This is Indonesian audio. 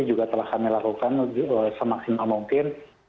juga telah kami lakukan semaksimal mungkin